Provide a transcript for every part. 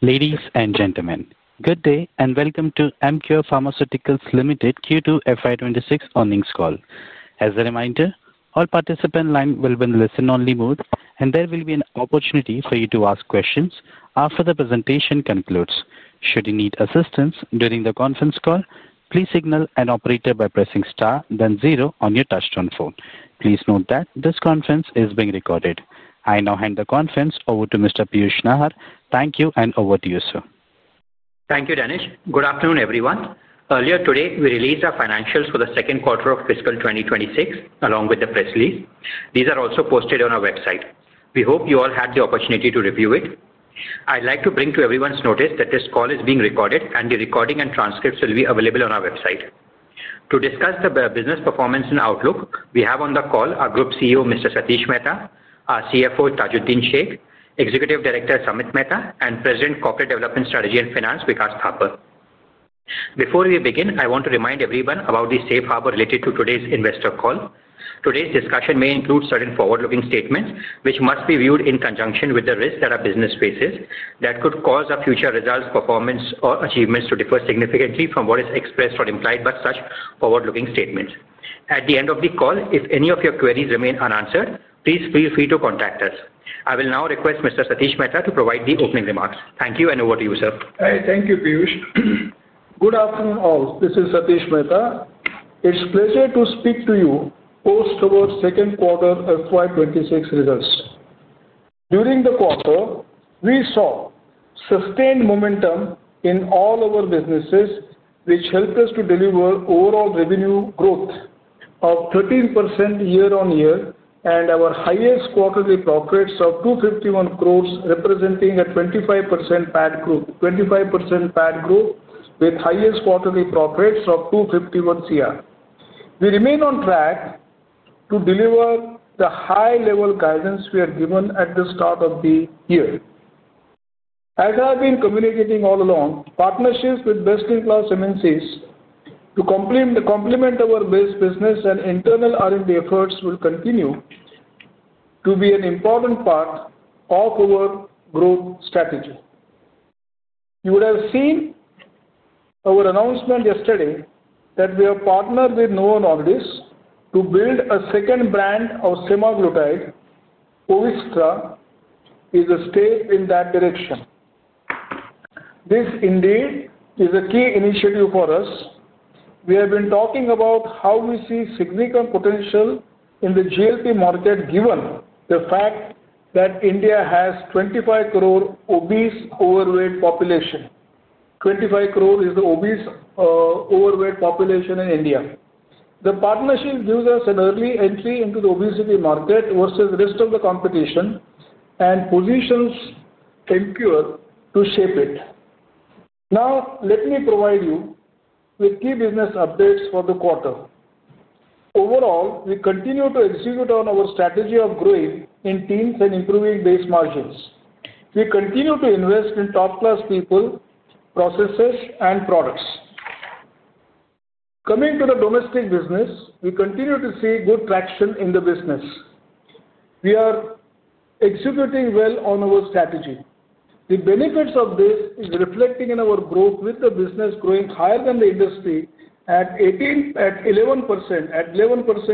Ladies and gentlemen, good day and welcome to Emcure Pharmaceuticals Limited Q2 FY2026 Earnings Call. As a reminder, all participant lines will be in listen-only mode, and there will be an opportunity for you to ask questions after the presentation concludes. Should you need assistance during the conference call, please signal an operator by pressing star, then zero on your touch-tone phone. Please note that this conference is being recorded. I now hand the conference over to Mr. Piyush Nahar. Thank you, and over to you, sir. Thank you, Danish. Good afternoon, everyone. Earlier today, we released our financials for the second quarter of fiscal 2026, along with the press release. These are also posted on our website. We hope you all had the opportunity to review it. I'd like to bring to everyone's notice that this call is being recorded, and the recording and transcripts will be available on our website. To discuss the business performance and outlook, we have on the call our Group CEO, Mr. Satish Mehta, our CFO, Tajuddin Shaikh, Executive Director, Samit Mehta, and President, Corporate Development Strategy and Finance, Vikas Thapar. Before we begin, I want to remind everyone about the safe harbor related to today's investor call. Today's discussion may include certain forward-looking statements, which must be viewed in conjunction with the risks that our business faces, that could cause our future results, performance, or achievements to differ significantly from what is expressed or implied by such forward-looking statements. At the end of the call, if any of your queries remain unanswered, please feel free to contact us. I will now request Mr. Satish Mehta to provide the opening remarks. Thank you, and over to you, sir. Thank you, Piyush. Good afternoon, all. This is Satish Mehta. It's a pleasure to speak to you post our second quarter FY2026 results. During the quarter, we saw sustained momentum in all our businesses, which helped us to deliver overall revenue growth of 13% year-on-year and our highest quarterly profits of 251 crore, representing a 25% PAT growth, 25% PAT growth with highest quarterly profits of 251 crore. We remain on track to deliver the high-level guidance we had given at the start of the year. As I've been communicating all along, partnerships with best-in-class MNCs to complement our base business and internal R&D efforts will continue to be an important part of our growth strategy. You would have seen our announcement yesterday that we have partnered with Novo Nordisk to build a second brand of Semaglutide. Poviztra is a step in that direction. This, indeed, is a key initiative for us. We have been talking about how we see significant potential in the GLP market, given the fact that India has 250 million obese overweight population. 250 million is the obese overweight population in India. The partnership gives us an early entry into the obesity market versus the rest of the competition and positions Emcure to shape it. Now, let me provide you with key business updates for the quarter. Overall, we continue to execute on our strategy of growing in teams and improving base margins. We continue to invest in top-class people, processes, and products. Coming to the domestic business, we continue to see good traction in the business. We are executing well on our strategy. The benefits of this are reflecting in our growth with the business growing higher than the industry at 11%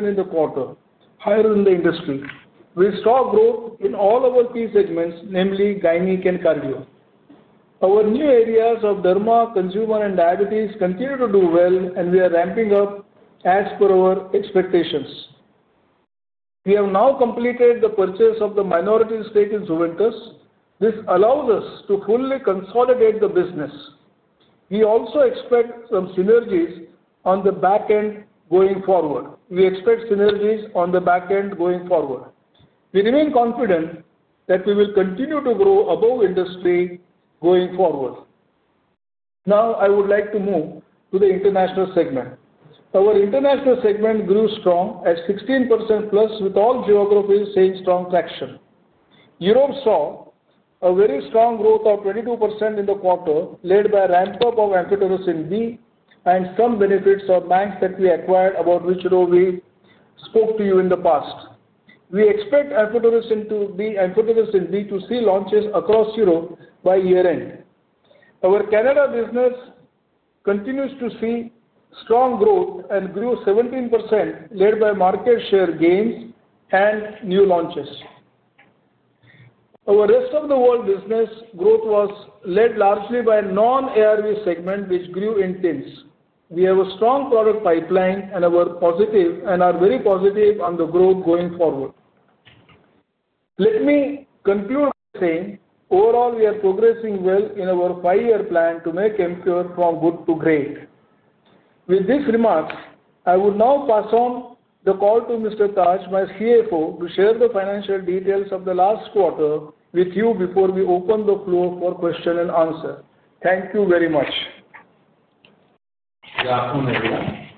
in the quarter, higher than the industry. We saw growth in all our key segments, namely gynec and cardio. Our new areas of derma, consumer, and diabetes continue to do well, and we are ramping up as per our expectations. We have now completed the purchase of the minority stake in Zuventus. This allows us to fully consolidate the business. We also expect some synergies on the back end going forward. We remain confident that we will continue to grow above industry going forward. Now, I would like to move to the international segment. Our international segment grew strong at 16% plus with all geographies seeing strong traction. Europe saw a very strong growth of 22% in the quarter, led by a ramp-up of Amphotericin B and some benefits of brands that we acquired, about which we spoke to you in the past. We expect Amphotericin B to see launches across Europe by year-end. Our Canada business continues to see strong growth and grew 17%, led by market share gains and new launches. Our rest of the world business growth was led largely by a non-ARV segment, which grew in teens. We have a strong product pipeline and are very positive on the growth going forward. Let me conclude by saying, overall, we are progressing well in our five-year plan to make Emcure from good to great. With these remarks, I would now pass on the call to Mr. Taj, my CFO, to share the financial details of the last quarter with you before we open the floor for question and answer. Thank you very much. Good afternoon, everyone.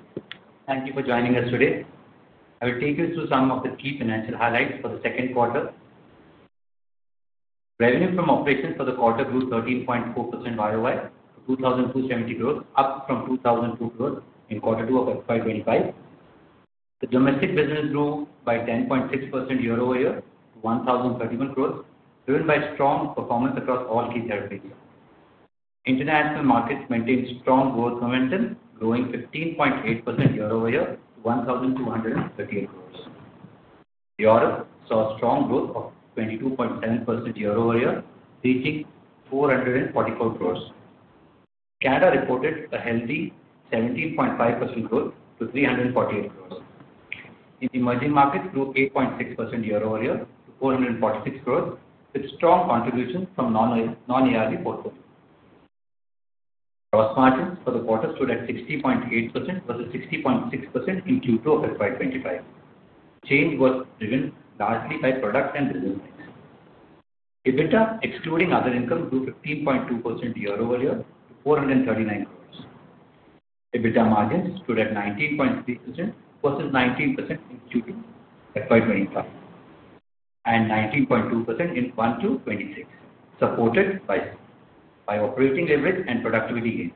Thank you for joining us today. I will take you through some of the key financial highlights for the second quarter. Revenue from operations for the quarter grew 13.4% year-over-year to 2,270 crore, up from 2,200 crore in quarter two of fiscal year 2025. The domestic business grew by 10.6% year-over-year to 1,031 crore, driven by strong performance across all key territories. International markets maintained strong growth momentum, growing 15.8% year-over-year to 1,238 crore. Europe saw a strong growth of 22.7% year-over-year, reaching 444 crore. Canada reported a healthy 17.5% growth to 348 crore. In emerging markets, grew 8.6% year-over-year to 446 crore, with strong contributions from non-ARV portfolio. Gross margins for the quarter stood at 60.8% versus 60.6% in Q2 of fiscal year 2025. Change was driven largely by product and business needs. EBITDA, excluding other income, grew 15.2% year-over-year to 439 crore. EBITDA margins stood at 19.3% versus 19% in Q2 FY25 and 19.2% in Q1 to Q26, supported by operating leverage and productivity gains.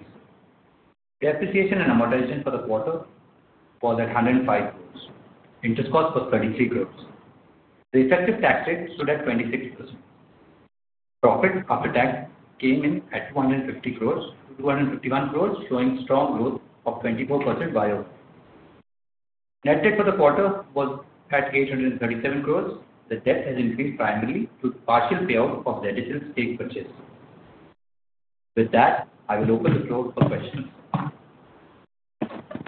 Depreciation and amortization for the quarter was at 105 crore. Interest cost was 33 crore. The effective tax rate stood at 26%. Profit after tax came in at 250 crore to 251 crore, showing strong growth of 24% YOY. Net debt for the quarter was at 837 crore. The debt has increased primarily due to partial payout of legislative stake purchase. With that, I will open the floor for questions.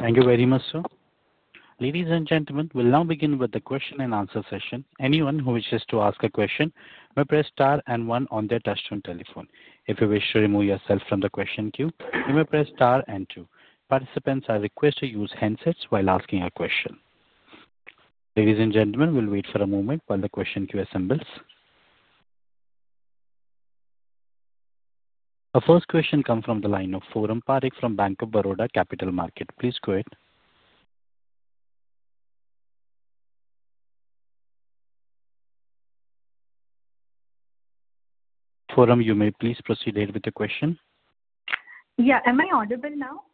Thank you very much, sir. Ladies and gentlemen, we'll now begin with the question and answer session. Anyone who wishes to ask a question may press star and one on their touch-tone telephone. If you wish to remove yourself from the question queue, you may press star and two. Participants are requested to use handsets while asking a question. Ladies and gentlemen, we'll wait for a moment while the question queue assembles. Our first question comes from the line of Foram Parikh from Bank of Baroda Capital Markets. Please go ahead. Foram, you may please proceed ahead with the question. Yeah. Am I audible now?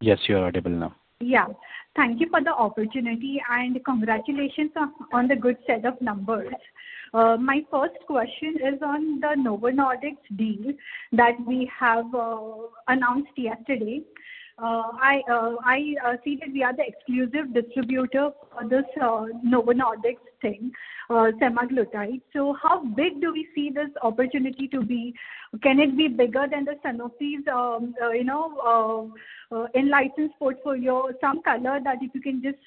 Yes, you're audible now. Yeah. Thank you for the opportunity and congratulations on the good set of numbers. My first question is on the Novo Nordisk deal that we have announced yesterday. I see that we are the exclusive distributor for this Novo Nordisk thing, Semaglutide. So how big do we see this opportunity to be? Can it be bigger than the Sanofi's enlightened portfolio? Some color that if you can just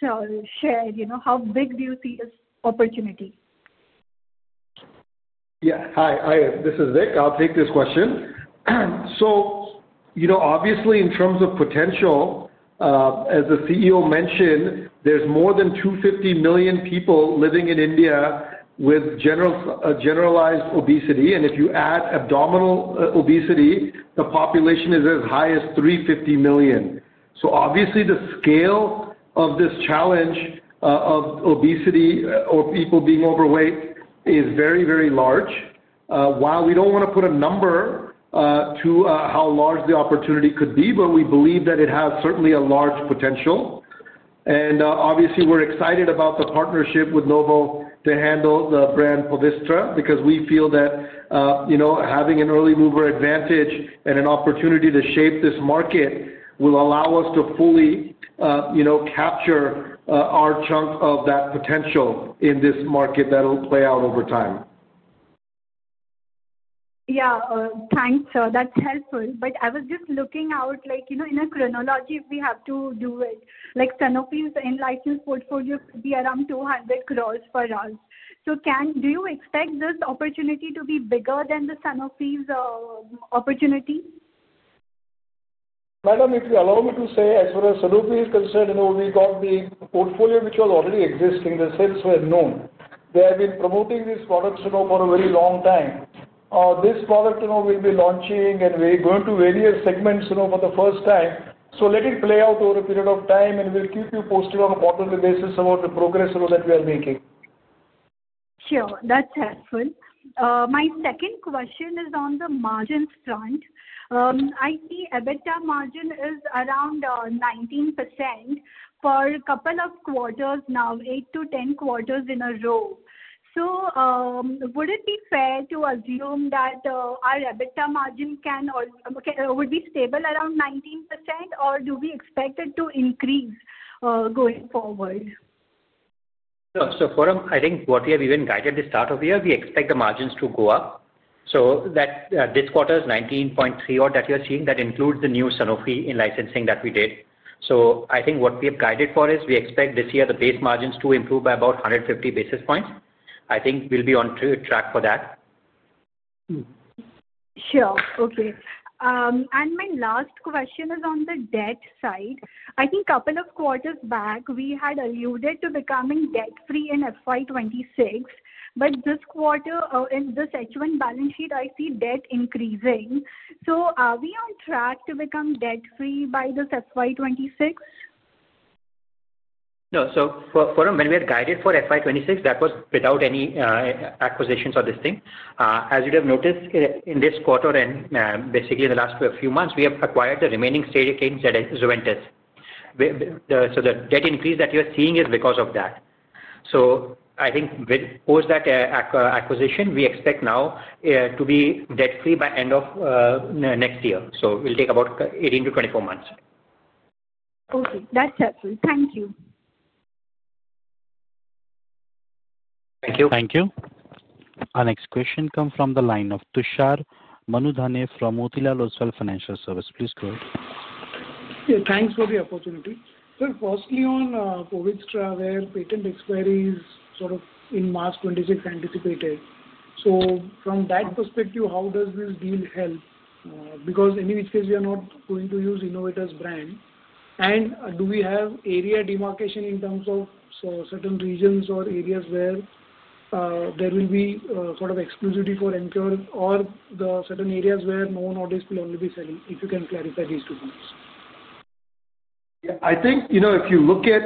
share, how big do you see this opportunity? Yeah. Hi, this is Vikas. I'll take this question. Obviously, in terms of potential, as the CEO mentioned, there's more than 250 million people living in India with generalized obesity. If you add abdominal obesity, the population is as high as 350 million. Obviously, the scale of this challenge of obesity or people being overweight is very, very large. While we don't want to put a number to how large the opportunity could be, we believe that it has certainly a large potential. Obviously, we're excited about the partnership with Novo to handle the brand because we feel that having an early mover advantage and an opportunity to shape this market will allow us to fully capture our chunk of that potential in this market that'll play out over time. Yeah. Thanks. That's helpful. I was just looking out in a chronology, we have to do it. Sanofi's in-licensed portfolio could be around 200 crore for us. Do you expect this opportunity to be bigger than the Sanofi opportunity? Madam, if you allow me to say, as far as Sanofi is concerned, we got the portfolio, which was already existing. The sales were known. They have been promoting these products for a very long time. This product will be launching, and we're going to various segments for the first time. Let it play out over a period of time, and we'll keep you posted on a quarterly basis about the progress that we are making. Sure. That's helpful. My second question is on the margins front. I see EBITDA margin is around 19% for a couple of quarters now, 8-10 quarters in a row. So would it be fair to assume that our EBITDA margin would be stable around 19%, or do we expect it to increase going forward? Foram, I think what we have even guided at the start of the year, we expect the margins to go up. This quarter is 19.3% odd that you're seeing. That includes the new Sanofi in-licensing that we did. I think what we have guided for is we expect this year the base margins to improve by about 150 basis points. I think we'll be on track for that. Sure. Okay. My last question is on the debt side. I think a couple of quarters back, we had alluded to becoming debt-free in FY2026, but this quarter, in this H1 balance sheet, I see debt increasing. Are we on track to become debt-free by this FY2026? No. Foram, when we had guided for FY26, that was without any acquisitions or this thing. As you have noticed, in this quarter and basically in the last few months, we have acquired the remaining stage of. The debt increase that you are seeing is because of that. I think with post-that acquisition, we expect now to be debt-free by end of next year. It'll take about 18-24 months. Okay. That's helpful. Thank you. Thank you. Thank you. Our next question comes from the line of Tushar Manudhane from Motilal Oswal Financial Services. Please go ahead. Thanks for the opportunity. Firstly, on Poviztra, there are patent expiries sort of in March 2026 anticipated. From that perspective, how does this deal help? In which case, we are not going to use Innovitas brand. Do we have area demarcation in terms of certain regions or areas where there will be sort of exclusivity for Emcure or certain areas where Novo Nordisk will only be selling? If you can clarify these two points. Yeah. I think if you look at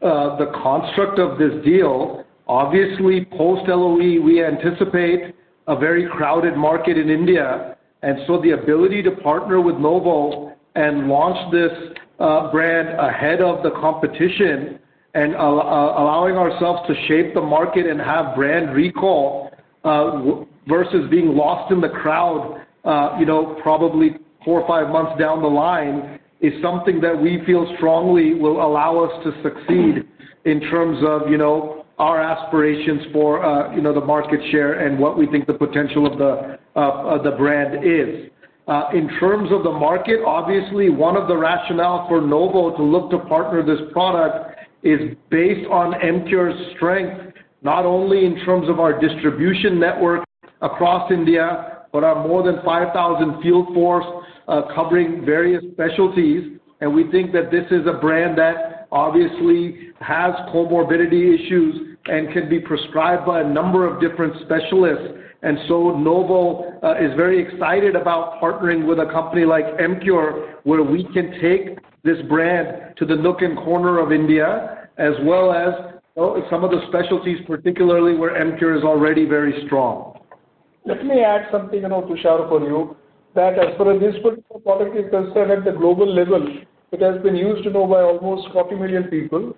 the construct of this deal, obviously, post-LOE, we anticipate a very crowded market in India. The ability to partner with Novo and launch this brand ahead of the competition and allowing ourselves to shape the market and have brand recall versus being lost in the crowd probably four or five months down the line is something that we feel strongly will allow us to succeed in terms of our aspirations for the market share and what we think the potential of the brand is. In terms of the market, obviously, one of the rationales for Novo to look to partner this product is based on Emcure's strength, not only in terms of our distribution network across India, but our more than 5,000 field force covering various specialties. We think that this is a brand that obviously has comorbidity issues and can be prescribed by a number of different specialists. Novo is very excited about partnering with a company like Emcure, where we can take this brand to the nook and corner of India, as well as some of the specialties, particularly where Emcure is already very strong. Let me add something, Tushar, for you, that as far as this particular product is concerned at the global level, it has been used by almost 40 million people.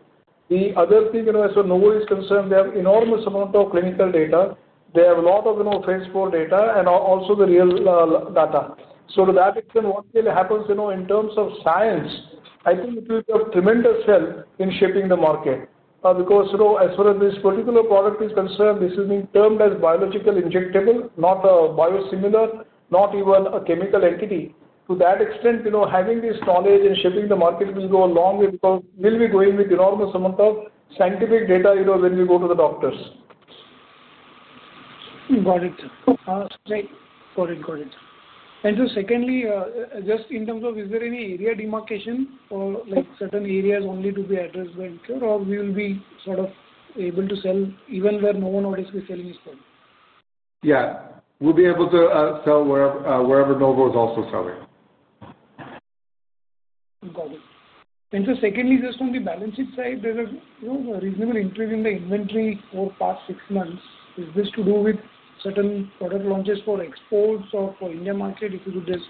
The other thing, as far as Novo is concerned, they have an enormous amount of clinical data. They have a lot of phase four data and also the real data. To that extent, what really happens in terms of science, I think it will be of tremendous help in shaping the market. Because as far as this particular product is concerned, this is being termed as biological injectable, not a biosimilar, not even a chemical entity. To that extent, having this knowledge and shaping the market will go a long way because we'll be going with an enormous amount of scientific data when we go to the doctors. Got it. Great. And so secondly, just in terms of, is there any area demarcation or certain areas only to be addressed by Emcure, or we will be sort of able to sell even where Novo Nordisk audit is selling is possible? Yeah. We'll be able to sell wherever Novo is also selling. Got it. Secondly, just on the balance sheet side, there is a reasonable increase in the inventory for the past six months. Is this to do with certain product launches for exports or for the India market? If you could just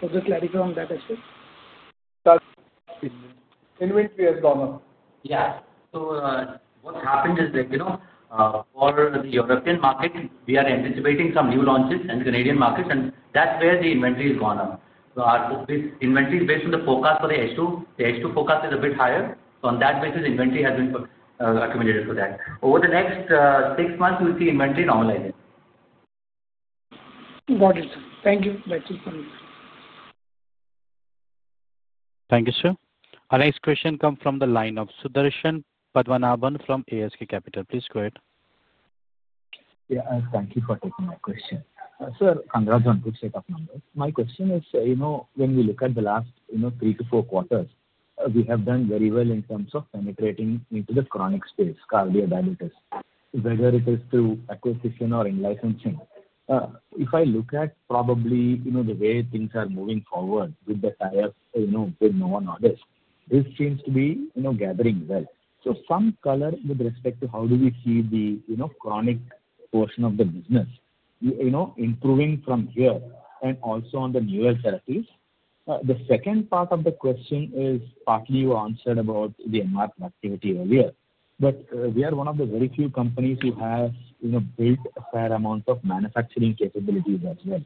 further clarify on that aspect. Inventory has gone up. Yeah. What's happened is that for the European market, we are anticipating some new launches in the Canadian market, and that's where the inventory has gone up. This inventory is based on the forecast for the H2. The H2 forecast is a bit higher. On that basis, inventory has been accommodated for that. Over the next six months, we'll see inventory normalizing. Got it. Thank you. That is all. Thank you, sir. Our next question comes from the line of Sudarshan Padmanabhan from ASK Capital. Please go ahead. Yeah. Thank you for taking my question. Sir Kangaraj, one quick set of numbers. My question is, when we look at the last three to four quarters, we have done very well in terms of penetrating into the chronic space, cardio diabetes, whether it is through acquisition or in-licensing. If I look at probably the way things are moving forward with the TAIAC, with Novo Nordisk audit, this seems to be gathering well. Some color with respect to how do we see the chronic portion of the business improving from here and also on the newer therapies. The second part of the question is partly you answered about the MR productivity earlier, but we are one of the very few companies who have built a fair amount of manufacturing capabilities as well.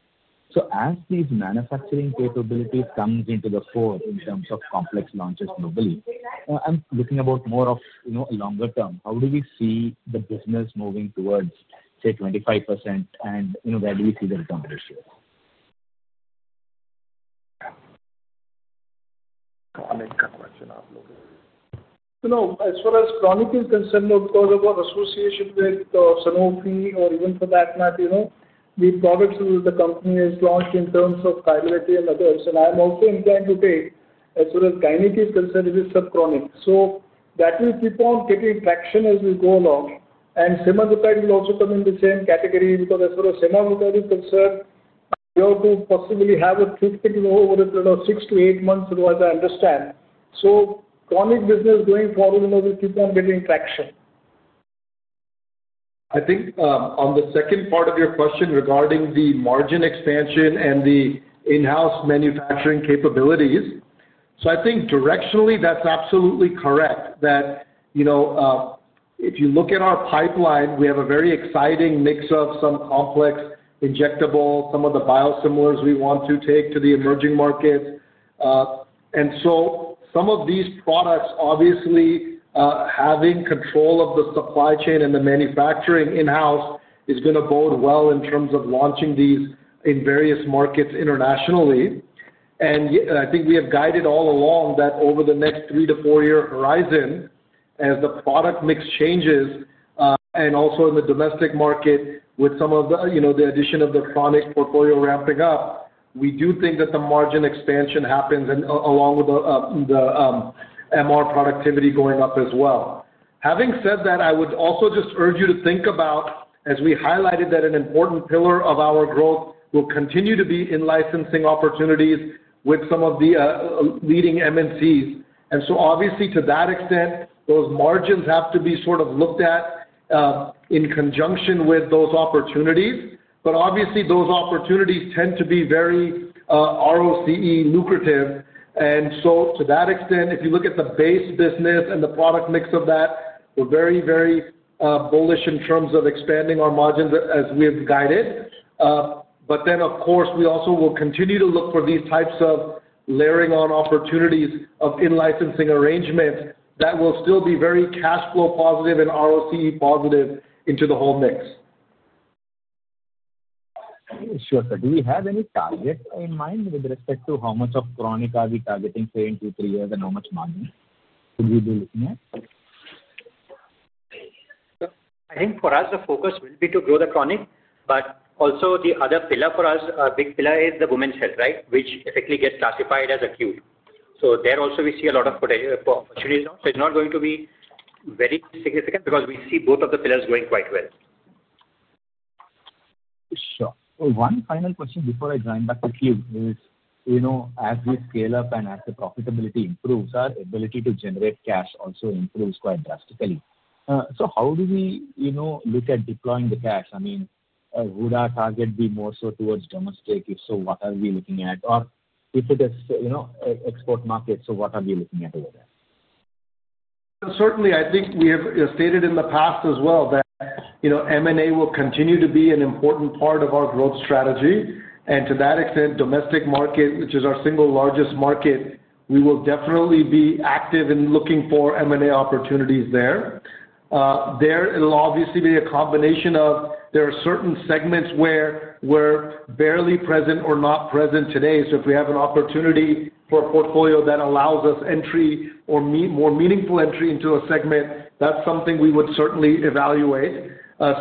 As these manufacturing capabilities come into the fore in terms of complex launches globally, I'm looking more of a longer term. How do we see the business moving towards, say, 25%, and where do we see the recovery issues? Kamil, you can question out a little bit. No. As far as chronic is concerned, of course, our association with Sanofi or even for that matter, the products the company has launched in terms of cardiology and others. I'm also inclined to take, as far as kinetics is concerned, it is sub-chronic. That will keep on getting traction as we go along. Semaglutide will also come in the same category because as far as Semaglutide is concerned, we are going to possibly have a trip over a period of six to eight months, as far as I understand. Chronic business going forward will keep on getting traction. I think on the second part of your question regarding the margin expansion and the in-house manufacturing capabilities, I think directionally, that's absolutely correct that if you look at our pipeline, we have a very exciting mix of some complex injectable, some of the biosimilars we want to take to the emerging markets. Some of these products, obviously, having control of the supply chain and the manufacturing in-house is going to bode well in terms of launching these in various markets internationally. I think we have guided all along that over the next three to four-year horizon, as the product mix changes and also in the domestic market with some of the addition of the chronic portfolio ramping up, we do think that the margin expansion happens along with the MR productivity going up as well. Having said that, I would also just urge you to think about, as we highlighted that an important pillar of our growth will continue to be in-licensing opportunities with some of the leading MNCs. Obviously, to that extent, those margins have to be sort of looked at in conjunction with those opportunities. Obviously, those opportunities tend to be very ROCE lucrative. To that extent, if you look at the base business and the product mix of that, we're very, very bullish in terms of expanding our margins as we have guided. Of course, we also will continue to look for these types of layering on opportunities of in-licensing arrangements that will still be very cash flow positive and ROCE positive into the whole mix. Sure. Do we have any targets in mind with respect to how much of chronic are we targeting, say, in two, three years and how much margin should we be looking at? I think for us, the focus will be to grow the chronic, but also the other pillar for us, a big pillar is the women's health, right, which effectively gets classified as acute. There also, we see a lot of opportunities. It is not going to be very significant because we see both of the pillars going quite well. Sure. One final question before I join back with you is, as we scale up and as the profitability improves, our ability to generate cash also improves quite drastically. How do we look at deploying the cash? I mean, would our target be more so towards domestic? If so, what are we looking at? Or if it is export markets, what are we looking at over there? Certainly, I think we have stated in the past as well that M&A will continue to be an important part of our growth strategy. To that extent, the domestic market, which is our single largest market, we will definitely be active in looking for M&A opportunities there. There will obviously be a combination of there are certain segments where we're barely present or not present today. If we have an opportunity for a portfolio that allows us entry or more meaningful entry into a segment, that's something we would certainly evaluate.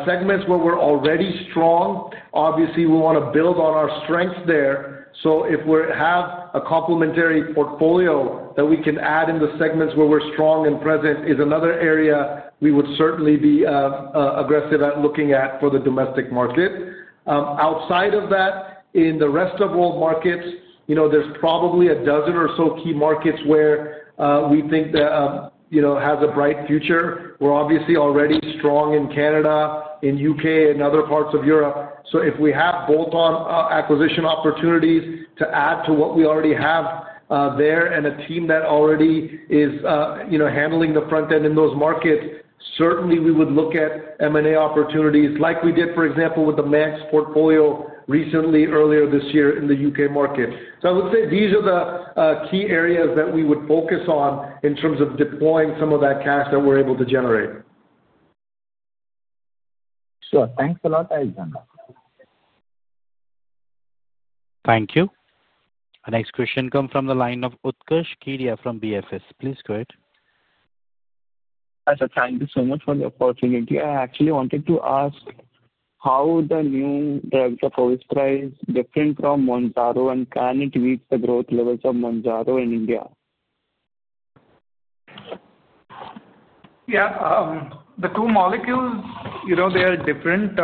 Segments where we're already strong, obviously, we want to build on our strengths there. If we have a complementary portfolio that we can add in the segments where we're strong and present is another area we would certainly be aggressive at looking at for the domestic market. Outside of that, in the rest of world markets, there's probably a dozen or so key markets where we think that has a bright future. We're obviously already strong in Canada, in the U.K., and other parts of Europe. If we have bolt-on acquisition opportunities to add to what we already have there and a team that already is handling the front end in those markets, certainly, we would look at M&A opportunities like we did, for example, with the Max portfolio recently, earlier this year in the U.K. market. I would say these are the key areas that we would focus on in terms of deploying some of that cash that we're able to generate. Sure. Thanks a lot, Aisan. Thank you. Our next question comes from the line of Utkarsh Kirloskar from BFS. Please go ahead. Thank you so much for the opportunity. I actually wanted to ask how the new drugs of Poviztra is different from Mounjaro and can it reach the growth levels of Mounjaro in India? Yeah. The two molecules, they are different.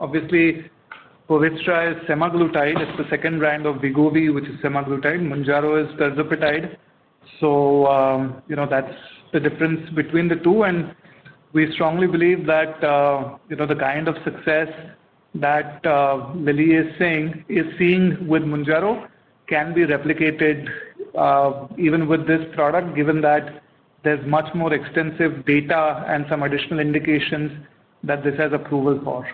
Obviously, Poviztra is Semaglutide. It's the second brand of Wegovy, which is Semaglutide. Mounjaro is tirzepatide. That is the difference between the two. We strongly believe that the kind of success that Lilly is seeing with Mounjaro can be replicated even with this product, given that there is much more extensive data and some additional indications that this has approval for.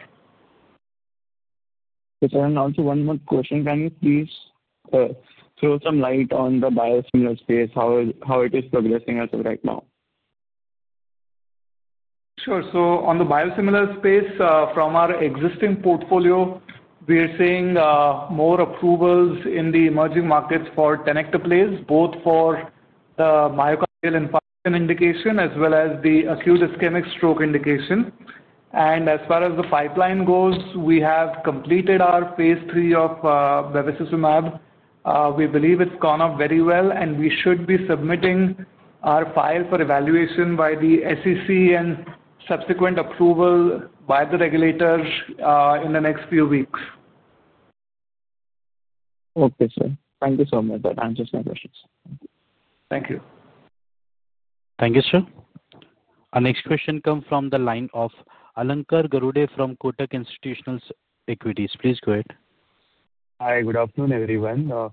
Sir, and also one more question. Can you please throw some light on the biosimilar space, how it is progressing as of right now? Sure. On the biosimilar space, from our existing portfolio, we are seeing more approvals in the emerging markets for Tenecteplase, both for the myocardial infarction indication as well as the acute ischemic stroke indication. As far as the pipeline goes, we have completed our phase three of bevacizumab. We believe it's gone up very well, and we should be submitting our file for evaluation by the SEC and subsequent approval by the regulators in the next few weeks. Okay, sir. Thank you so much. That answers my questions. Thank you. Thank you, sir. Our next question comes from the line of Alankar Garude from Kotak Institutional Equities. Please go ahead. Hi. Good afternoon, everyone.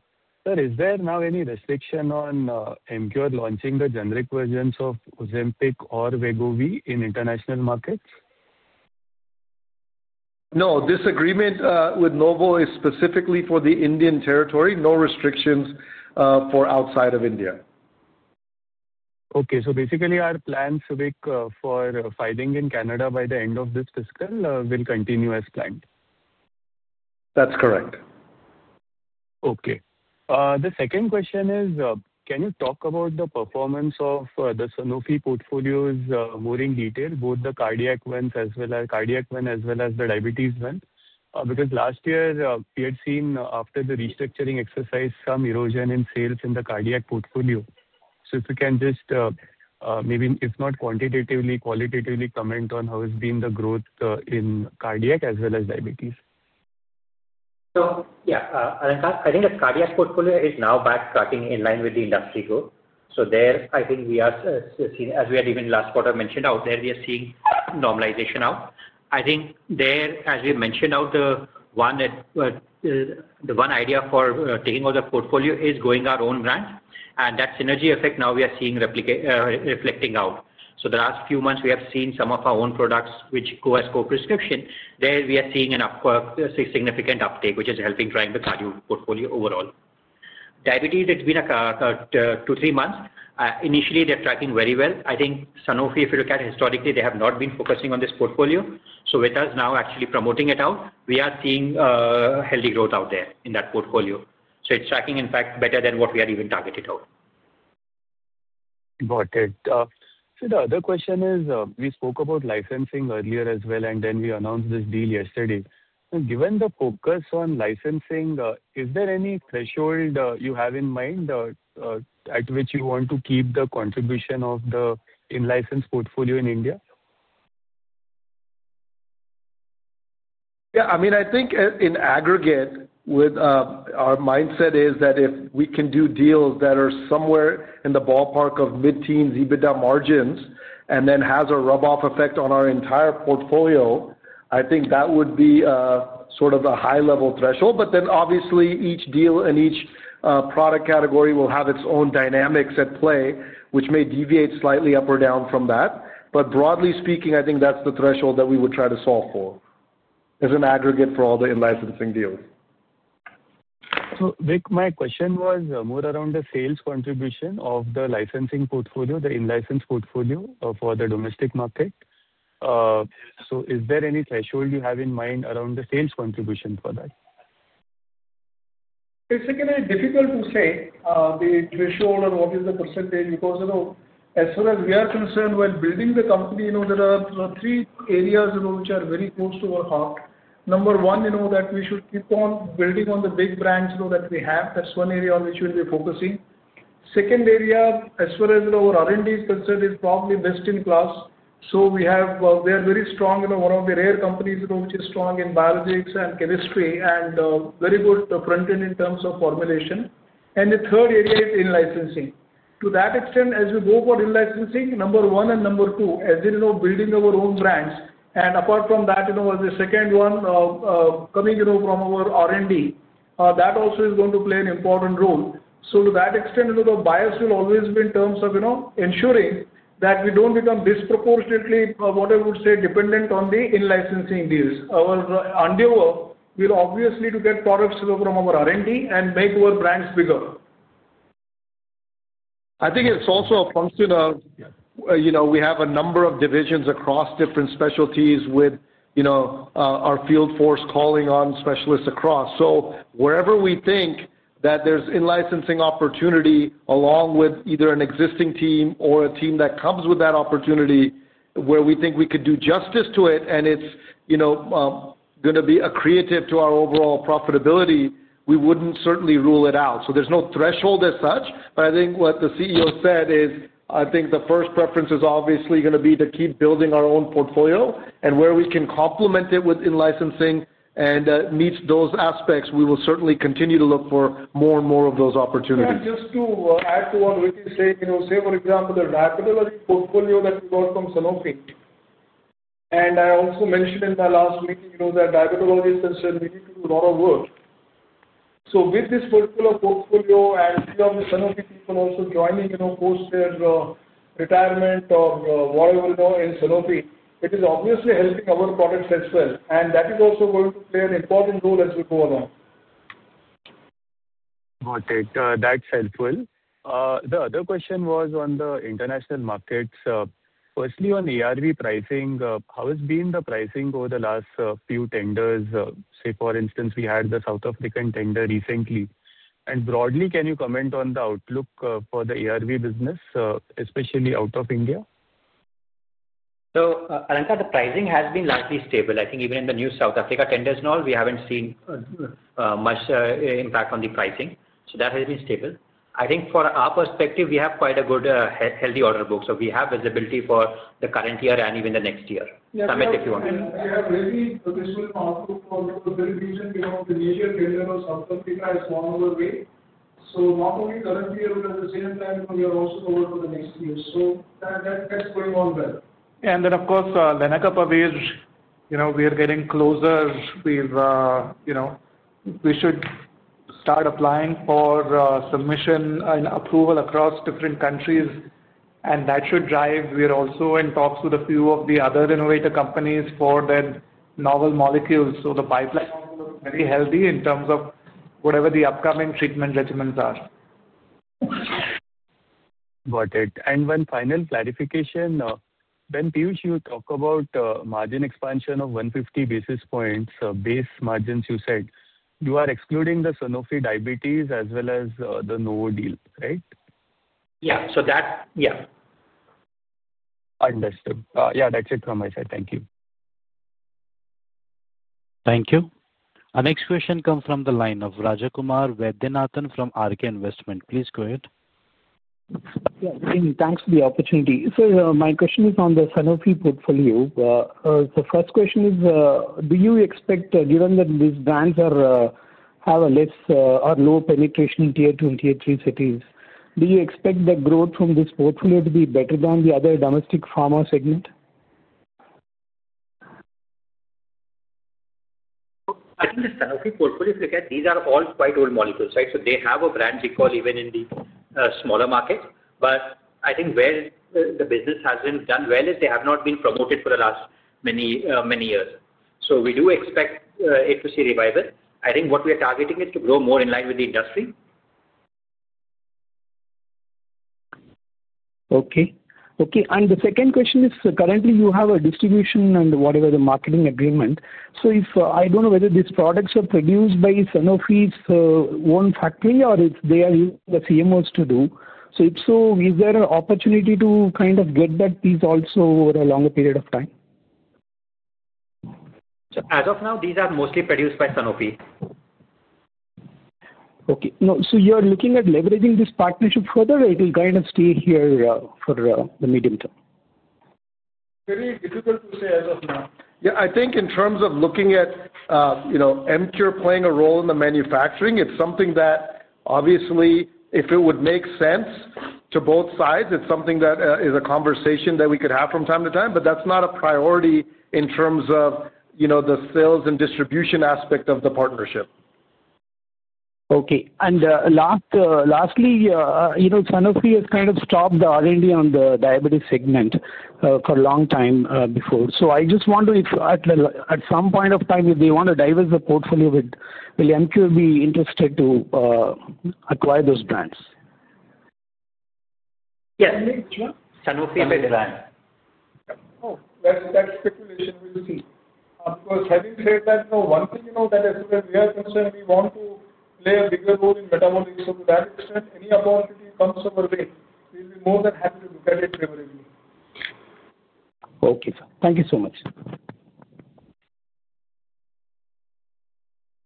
Sir, is there now any restriction on Emcure launching the generic versions of Ozempic or Wegovy in international markets? No. This agreement with Novo is specifically for the Indian territory. No restrictions for outside of India. Okay. So basically, our plan for Pfizer in Canada by the end of this fiscal will continue as planned. That's correct. Okay. The second question is, can you talk about the performance of the Sanofi portfolios more in detail, both the cardiac ones as well as the diabetes one? Because last year, we had seen, after the restructuring exercise, some erosion in sales in the cardiac portfolio. If you can just maybe, if not quantitatively, qualitatively comment on how has been the growth in cardiac as well as diabetes. Yeah, Alankar, I think the cardiac portfolio is now back starting in line with the industry growth. There, I think we are seeing, as we had even last quarter mentioned out there, we are seeing normalization out. I think there, as we mentioned out there, the one idea for taking over the portfolio is going our own brand. That synergy effect now we are seeing reflecting out. The last few months, we have seen some of our own products, which go as co-prescription. There we are seeing a significant uptake, which is helping drive the cardio portfolio overall. Diabetes, it's been two to three months. Initially, they're tracking very well. I think Sanofi, if you look at historically, they have not been focusing on this portfolio. With us now actually promoting it out, we are seeing healthy growth out there in that portfolio. It's tracking, in fact, better than what we had even targeted out. Got it. The other question is, we spoke about licensing earlier as well, and then we announced this deal yesterday. Given the focus on licensing, is there any threshold you have in mind at which you want to keep the contribution of the in-license portfolio in India? Yeah. I mean, I think in aggregate, our mindset is that if we can do deals that are somewhere in the ballpark of mid-teens EBITDA margins and then has a rub-off effect on our entire portfolio, I think that would be sort of a high-level threshold. Obviously, each deal and each product category will have its own dynamics at play, which may deviate slightly up or down from that. Broadly speaking, I think that's the threshold that we would try to solve for as an aggregate for all the in-licensing deals. My question was more around the sales contribution of the licensing portfolio, the in-license portfolio for the domestic market. Is there any threshold you have in mind around the sales contribution for that? It's again difficult to say the threshold or what is the % because as far as we are concerned, while building the company, there are three areas which are very close to our heart. Number one, that we should keep on building on the big brands that we have. That's one area on which we'll be focusing. Second area, as far as our R&D is concerned, is probably best in class. So we are very strong. One of the rare companies which is strong in biologics and chemistry and very good front end in terms of formulation. The third area is in-licensing. To that extent, as we go for in-licensing, number one and number two, as in building our own brands. Apart from that, the second one coming from our R&D, that also is going to play an important role. To that extent, the bias will always be in terms of ensuring that we do not become disproportionately, what I would say, dependent on the in-licensing deals. Our endeavor will obviously get products from our R&D and make our brands bigger. I think it's also a function of we have a number of divisions across different specialties with our field force calling on specialists across. Wherever we think that there's in-licensing opportunity along with either an existing team or a team that comes with that opportunity where we think we could do justice to it and it's going to be accretive to our overall profitability, we wouldn't certainly rule it out. There's no threshold as such. What the CEO said is, I think the first preference is obviously going to be to keep building our own portfolio. Where we can complement it with in-licensing and it meets those aspects, we will certainly continue to look for more and more of those opportunities. Yeah. Just to add to what Ricky is saying, say, for example, the diabetology portfolio that we got from Sanofi. I also mentioned in my last meeting that as far as diabetology is concerned we need to do a lot of work. With this particular portfolio and a few of the Sanofi people also joining post their retirement or whatever in Sanofi, it is obviously helping our products as well. That is also going to play an important role as we go along. Got it. That's helpful. The other question was on the international markets. Firstly, on ARV pricing, how has been the pricing over the last few tenders? Say for instance, we had the South African tender recently. Broadly, can you comment on the outlook for the ARV business, especially out of India? Alankar, the pricing has been largely stable. I think even in the new South Africa tenders and all, we have not seen much impact on the pricing. That has been stable. I think from our perspective, we have quite a good healthy order book. We have visibility for the current year and even the next year. Samit, if you want. Yeah. We have really visible outlook for the very recently of the major tender of South Africa has gone over the way. Not only current year, but at the same time, we are also covered for the next year. That is going on well. Of course, Lenacapavir, we are getting closer. We should start applying for submission and approval across different countries. That should drive, we are also in talks with a few of the other innovator companies for the novel molecules. The pipeline looks very healthy in terms of whatever the upcoming treatment regimens are. Got it. One final clarification. Ben Piyush, you talk about margin expansion of 150 basis points, base margins, you said. You are excluding the Sanofi diabetes as well as the Novo deal, right? Yeah, so that, yeah. Understood. Yeah, that's it from my side. Thank you. Thank you. Our next question comes from the line of Rajkumar Vaidyanathan from RK Investments. Please go ahead. Yeah. Thanks for the opportunity. So my question is on the Sanofi portfolio. The first question is, do you expect given that these brands have a less or low penetration tier two and tier three cities, do you expect the growth from this portfolio to be better than the other domestic pharma segment? I think the Sanofi portfolio, if you look at, these are all quite old molecules, right? They have a brand recall even in the smaller market. I think where the business has been done well is they have not been promoted for the last many years. We do expect it to see revival. I think what we are targeting is to grow more in line with the industry. Okay. Okay. The second question is, currently, you have a distribution and whatever the marketing agreement. I do not know whether these products are produced by Sanofi's own factory or if they use the CMOs to do it. If so, is there an opportunity to kind of get back these also over a longer period of time? As of now, these are mostly produced by Sanofi. Okay. So you're looking at leveraging this partnership further or it will kind of stay here for the medium term? Very difficult to say as of now. Yeah. I think in terms of looking at Emcure playing a role in the manufacturing, it's something that obviously, if it would make sense to both sides, it's something that is a conversation that we could have from time to time. That is not a priority in terms of the sales and distribution aspect of the partnership. Okay. Lastly, Sanofi has kind of stopped the R&D on the diabetes segment for a long time before. I just wonder if at some point of time, if they want to diversify the portfolio, will Emcure be interested to acquire those brands? Yeah. Sanofi and Vaidyanathan. Oh, that's speculation, we'll see. Of course, having said that, one thing that as far as we are concerned, we want to play a bigger role in metabolics. To that extent, any opportunity comes our way, we'll be more than happy to look at it favorably. Okay, sir. Thank you so much.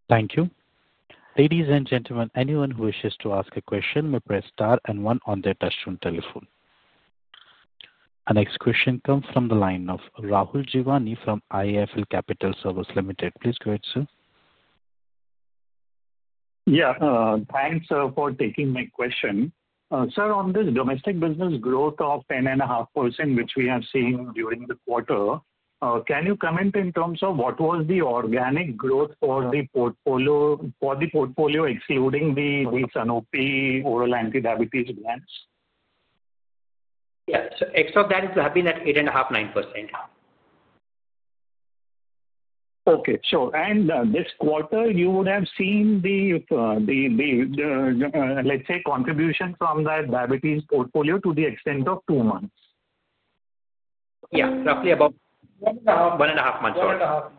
Thank you. Ladies and gentlemen, anyone who wishes to ask a question may press star and one on their touchscreen telephone. Our next question comes from the line of Rahul Jeewani from IIFL Capital Service Limited. Please go ahead, sir. Yeah. Thanks for taking my question. Sir, on this domestic business growth of 10.5%, which we have seen during the quarter, can you comment in terms of what was the organic growth for the portfolio excluding the Sanofi oral antidiabetes brands? Yeah. Except that, it will have been at 8.5-9%. Okay. Sure. This quarter, you would have seen the, let's say, contribution from that diabetes portfolio to the extent of two months? Yeah. Roughly about one and a half months. One and a half months.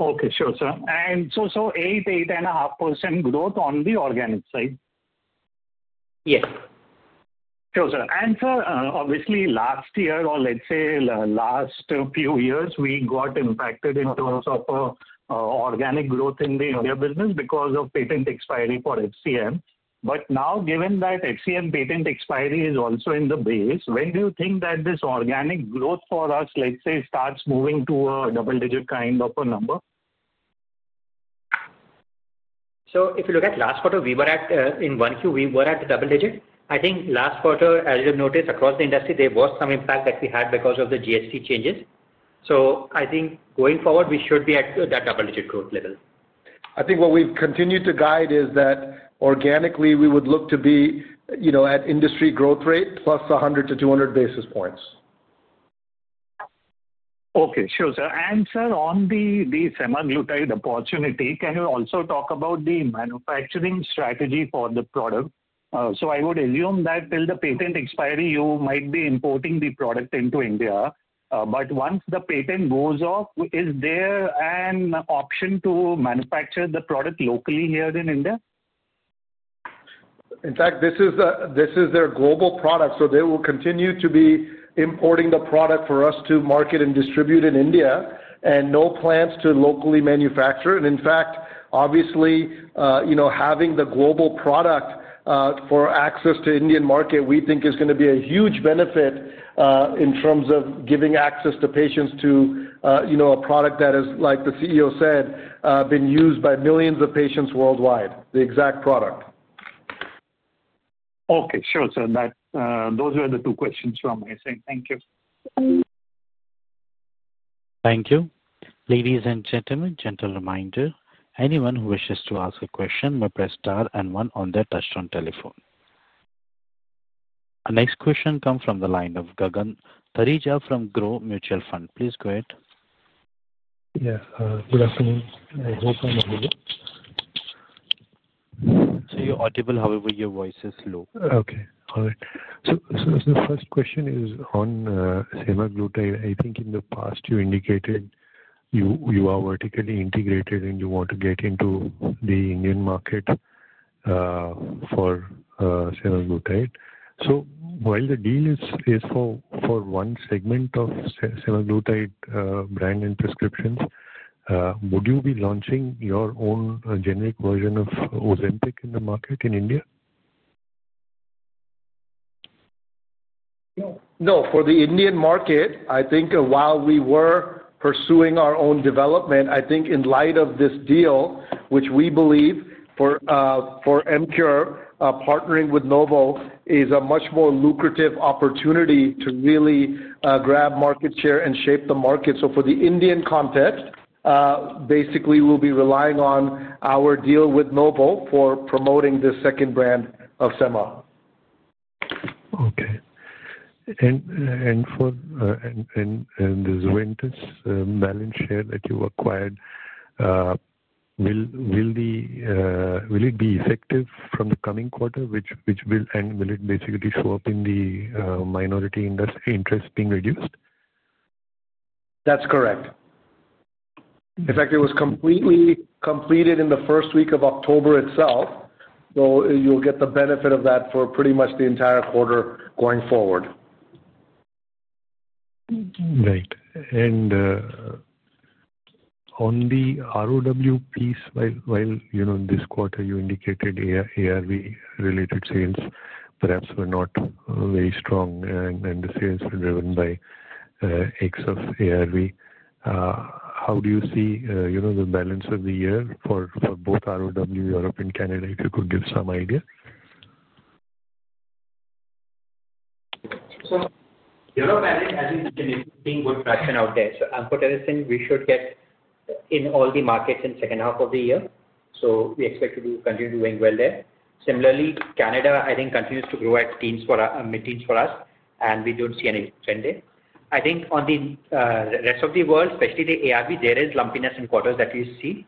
Okay. Sure, sir. And so 8-8.5% growth on the organic side? Yes. Sure, sir. Sir, obviously, last year or let's say last few years, we got impacted in terms of organic growth in the India business because of patent expiry for HCM. Now, given that HCM patent expiry is also in the base, when do you think that this organic growth for us, let's say, starts moving to a double-digit kind of a number? If you look at last quarter, we were at, in Q1, we were at the double digit. I think last quarter, as you have noticed, across the industry, there was some impact that we had because of the GST changes. I think going forward, we should be at that double-digit growth level. I think what we've continued to guide is that organically, we would look to be at industry growth rate plus 100-200 basis points. Okay. Sure, sir. And sir, on the Semaglutide opportunity, can you also talk about the manufacturing strategy for the product? I would assume that till the patent expiry, you might be importing the product into India. Once the patent goes off, is there an option to manufacture the product locally here in India? In fact, this is their global product. They will continue to be importing the product for us to market and distribute in India and no plans to locally manufacture. In fact, obviously, having the global product for access to the Indian market, we think is going to be a huge benefit in terms of giving access to patients to a product that has, like the CEO said, been used by millions of patients worldwide, the exact product. Okay. Sure, sir. Those were the two questions from my side. Thank you. Thank you. Ladies and gentlemen, gentle reminder, anyone who wishes to ask a question may press star and one on their touchscreen telephone. Our next question comes from the line of Gagan Thareja from Groww Mutual Fund. Please go ahead. Yes. Good afternoon. I hope I'm okay. You're audible. However, your voice is low. Okay. All right. So the first question is on Semaglutide. I think in the past, you indicated you are vertically integrated and you want to get into the Indian market for Semaglutide. So while the deal is for one segment of Semaglutide brand and prescriptions, would you be launching your own generic version of Ozempic in the market in India? No. For the Indian market, I think while we were pursuing our own development, I think in light of this deal, which we believe for Emcure, partnering with Novo is a much more lucrative opportunity to really grab market share and shape the market. For the Indian context, basically, we'll be relying on our deal with Novo for promoting this second brand of Sema. Okay. The Zuventus balance share that you acquired, will it be effective from the coming quarter? Will it basically show up in the minority interest being reduced? That's correct. In fact, it was completely completed in the first week of October itself. You will get the benefit of that for pretty much the entire quarter going forward. Right. On the ROW piece, while this quarter, you indicated ARV-related sales perhaps were not very strong and the sales were driven by excess ARV. How do you see the balance of the year for both ROW, Europe and Canada, if you could give some idea? Europe and India, I think, is being good pressure out there. So, unquote, as I said, we should get in all the markets in the second half of the year. We expect to continue doing well there. Similarly, Canada, I think, continues to grow at teams for us, and we do not see any trend there. I think on the rest of the world, especially the ARV, there is lumpiness in quarters that we see.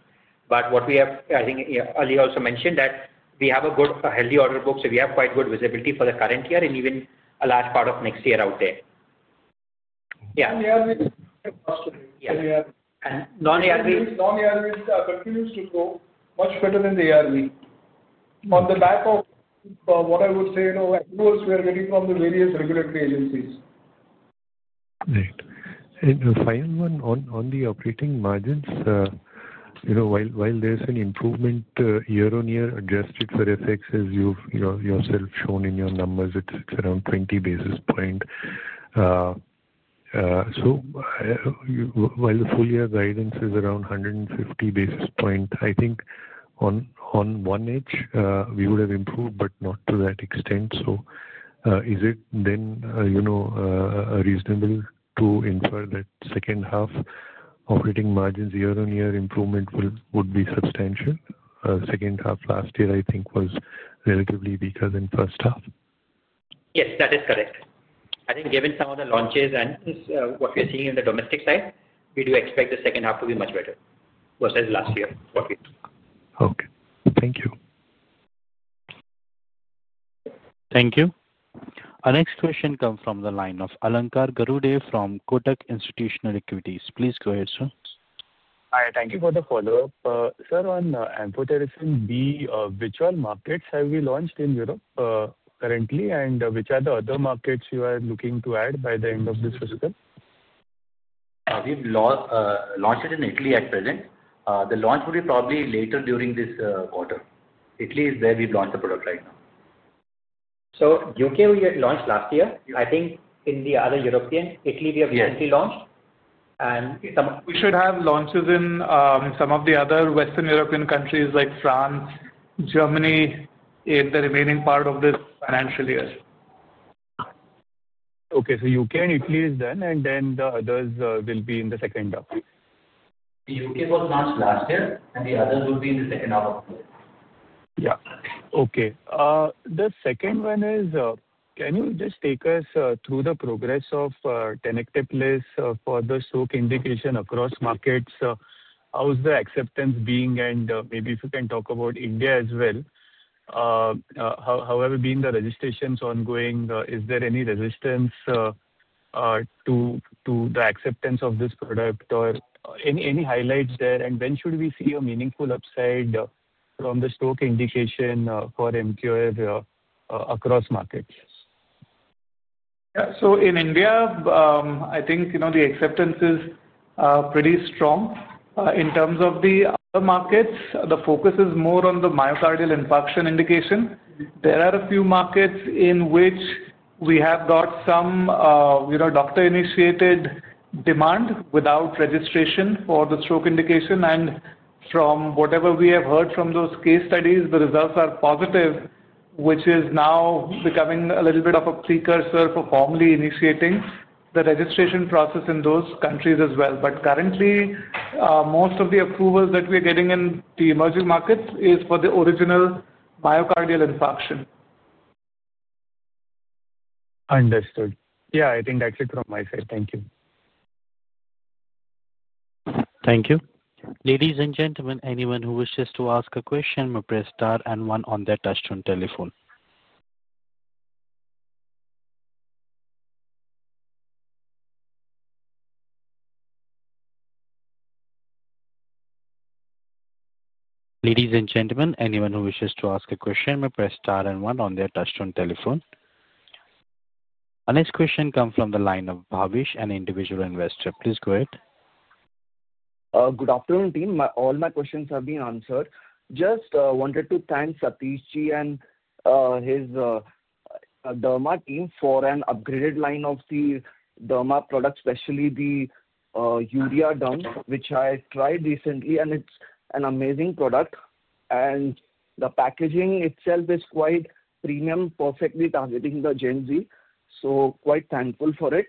What we have, I think, Ali also mentioned, is that we have a good, healthy order book, so we have quite good visibility for the current year and even a large part of next year out there. Yeah. Non-ARV continues to grow faster than ARV. Non-ARV continues to grow much better than the ARV. On the back of what I would say, of course, we are getting from the various regulatory agencies. Right. And the final one on the operating margins, while there's an improvement year-on-year adjusted for FX, as you've yourself shown in your numbers, it's around 20 basis points. While the full-year guidance is around 150 basis points, I think on one edge, we would have improved, but not to that extent. Is it then reasonable to infer that second half operating margins year-on-year improvement would be substantial? Second half last year, I think, was relatively weaker than first half. Yes, that is correct. I think given some of the launches and what we're seeing in the domestic side, we do expect the second half to be much better versus last year, what we saw. Okay. Thank you. Thank you. Our next question comes from the line of Alankar Garude from Kotak Institutional Equities. Please go ahead, sir. Hi. Thank you for the follow-up. Sir, on Amphotericin, the virtual markets, have we launched in Europe currently, and which are the other markets you are looking to add by the end of this fiscal? We've launched it in Italy at present. The launch will be probably later during this quarter. Italy is where we've launched the product right now. U.K., we launched last year. I think in the other European countries, Italy, we have recently launched. And some. We should have launches in some of the other Western European countries like France, Germany, in the remaining part of this financial year. Okay. U.K. and Italy is done, and then the others will be in the second half. The U.K. was launched last year, and the others will be in the second half of the year. Yeah. Okay. The second one is, can you just take us through the progress of Tenecteplase for the stroke indication across markets? How's the acceptance being? Maybe if you can talk about India as well. However, being the registrations ongoing, is there any resistance to the acceptance of this product or any highlights there? When should we see a meaningful upside from the stroke indication for Emcure across markets? Yeah. In India, I think the acceptance is pretty strong. In terms of the other markets, the focus is more on the myocardial infarction indication. There are a few markets in which we have got some doctor-initiated demand without registration for the stroke indication. From whatever we have heard from those case studies, the results are positive, which is now becoming a little bit of a precursor for formally initiating the registration process in those countries as well. Currently, most of the approvals that we are getting in the emerging markets is for the original myocardial infarction. Understood. Yeah. I think that's it from my side. Thank you. Thank you. Ladies and gentlemen, anyone who wishes to ask a question may press star and one on their touchscreen telephone. Our next question comes from the line of Bhavish, an individual investor. Please go ahead. Good afternoon, team. All my questions have been answered. Just wanted to thank Satish Ji and his Derma team for an upgraded line of the Derma product, especially the Urea Dump, which I tried recently, and it's an amazing product. The packaging itself is quite premium, perfectly targeting the Gen Z. Quite thankful for it.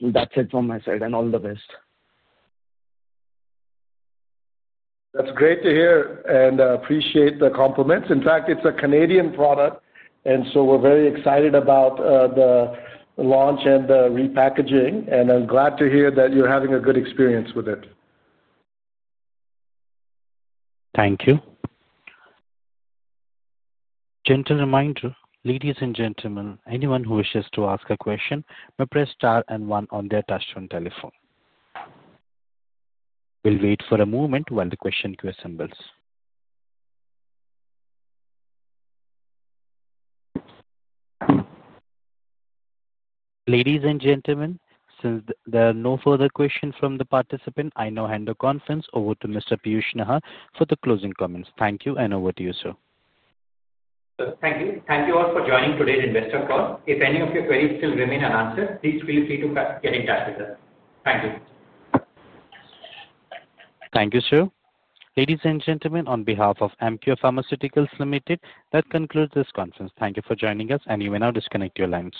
That's it from my side, and all the best. That's great to hear and appreciate the compliments. In fact, it's a Canadian product, and we are very excited about the launch and the repackaging, and I'm glad to hear that you're having a good experience with it. Thank you. Gentle reminder, ladies and gentlemen, anyone who wishes to ask a question may press star and one on their touchscreen telephone. We will wait for a moment while the question queue assembles. Ladies and gentlemen, since there are no further questions from the participants, I now hand the conference over to Mr. Piyush Nahar for the closing comments. Thank you, and over to you, sir. Thank you. Thank you all for joining today's investor call. If any of your queries still remain unanswered, please feel free to get in touch with us. Thank you. Thank you, sir. Ladies and gentlemen, on behalf of Emcure Pharmaceuticals Limited, that concludes this conference. Thank you for joining us, and you may now disconnect your lines.